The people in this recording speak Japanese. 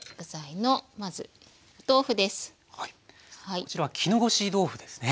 こちらは絹ごし豆腐ですね。